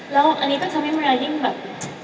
แล้วอันนี้ก็ทำให้เวลายิ่งแบบ